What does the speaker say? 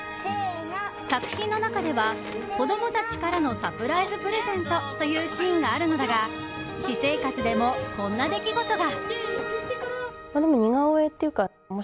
作品の中では、子供たちからのサプライズプレゼントというシーンがあるのだが私生活でもこんな出来事が。